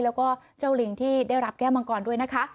แล้วก็เจ้าลิงที่ได้รับแก้วมังกรด้วยนะคะ